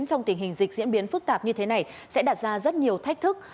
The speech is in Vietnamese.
trong tình hình dịch diễn biến phức tạp như thế này sẽ đặt ra rất nhiều thách thức